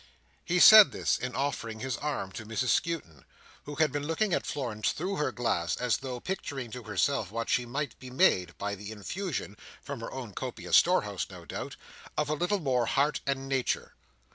He said this in offering his arm to Mrs Skewton, who had been looking at Florence through her glass, as though picturing to herself what she might be made, by the infusion—from her own copious storehouse, no doubt—of a little more Heart and Nature.